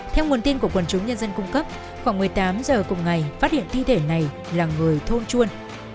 theo nguồn tin của quần chúng nhân dân cung cấp khoảng một mươi tám giờ cùng ngày phát hiện thi thể này là người thôn chuôn